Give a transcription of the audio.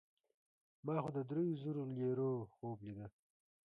ما خو د دریو زرو لیرو خوب لیده.